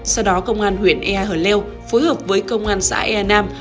sau đó công an huyện ea hở leo phối hợp với công an xã e nam